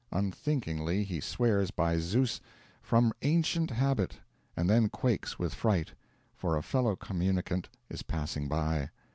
Unthinkingly he swears by Zeus from ancient habit and then quakes with fright; for a fellow communicant is passing by.